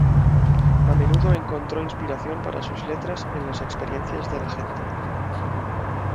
A menudo encontró inspiración para sus letras en las experiencias de la gente.